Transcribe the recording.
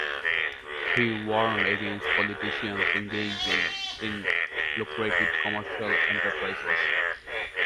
He warned against politicians engaging in lucrative commercial enterprises.